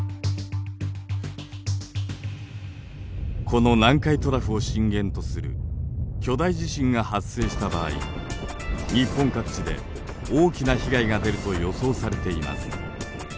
この南海トラフを震源とする巨大地震が発生した場合日本各地で大きな被害が出ると予想されています。